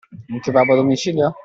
Un kebab a domicilio?